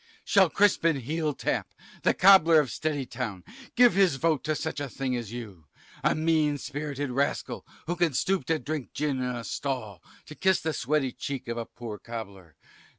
shall Crispin Heel tap, the cobbler of Steady town, give his vote to such a thing as you? A mean spirited rascal who can stoop to drink gin in a stall, and to kiss the sweaty cheek of a poor cobbler?